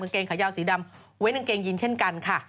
เกงขายาวสีดำไว้กางเกงยินเช่นกันค่ะ